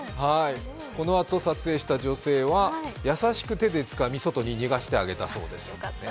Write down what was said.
このあと撮影した女性は、優しく手でつかみ外に逃がしてあげたそうです。